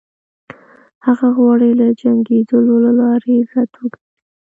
هغه غواړي له جنګېدلو له لارې عزت وګټي.